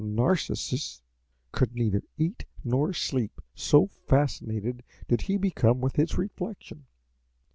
"Narcissus could neither eat nor sleep, so fascinated did he become with his reflection.